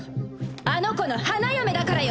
あの子の花嫁だからよ。